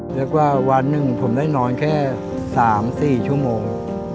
แล้วก็วันหนึ่งผมได้นอนแค่๓๔ชั่วโมง